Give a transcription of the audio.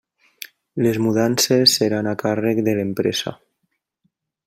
Les mudances seran a càrrec de l'empresa.